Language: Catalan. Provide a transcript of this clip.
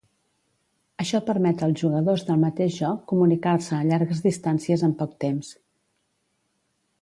Això permet als jugadors del mateix joc comunicar-se a llargues distàncies en poc temps.